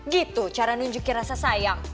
gitu cara nunjukin rasa sayang